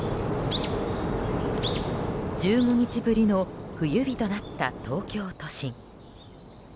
１５日ぶりの冬日となった東京都心。